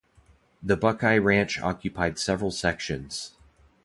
The Buckeye Ranch occupied several sections.